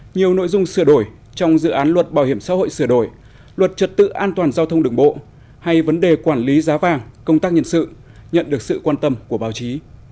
nhiều nội dung sửa đổi trong dự án luật bảo hiểm xã hội sửa đổi luật trật tự an toàn giao thông đường bộ hay vấn đề quản lý giá vàng công tác nhân sự nhận được sự quan tâm của báo chí